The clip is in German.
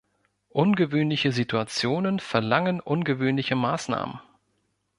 Ungewöhnliche Situationen verlangen ungewöhnliche Maßnahmen.